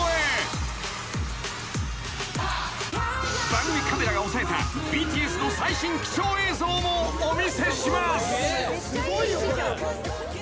［番組カメラが押さえたＢＴＳの最新貴重映像もお見せします］